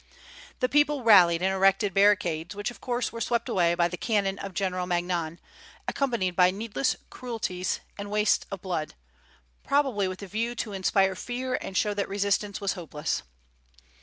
The people rallied and erected barricades, which of course were swept away by the cannon of General Magnan, accompanied by needless cruelties and waste of blood, probably with the view to inspire fear and show that resistance was hopeless.